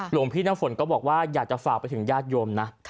หลวงพี่น้ำฝนก็บอกว่าอยากจะฝากไปถึงญาติโยมนะ